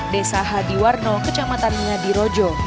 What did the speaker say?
desa hadiwarno kecamatan nyadi rojo